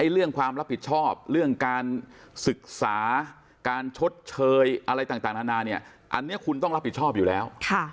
เรื่องความรับผิดชอบเรื่องการศึกษาการชดเชยอะไรต่างนานาเนี่ยอันนี้คุณต้องรับผิดชอบอยู่แล้ว